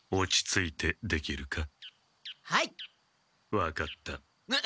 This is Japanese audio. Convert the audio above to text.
分かった。